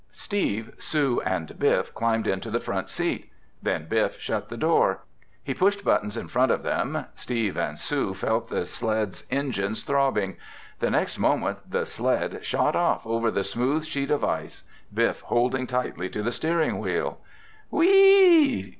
Steve, Sue and Biff climbed into the front seat. Then Biff shut the door. He pushed buttons in front of them. Steve and Sue felt the sled's engines throbbing. The next moment the sled shot off over the smooth sheet of ice, Biff holding tightly to the steering wheel. "Wheeeeee!"